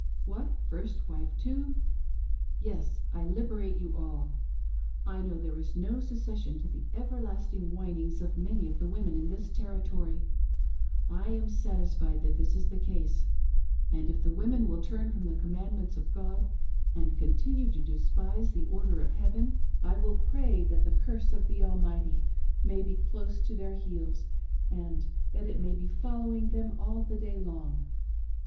' What, first wife too 1 ' Yes, I will liberate you all. I know there is no cessation to the everlasting whinings of many of the women in this territory ; I am satisfied that this is the case ; and if the women will turn from the commandments of God, and continue to despise the Order of Heaven, I will pray that the curse of the Almighty may be close, to their heels and that it may be following them all the day long.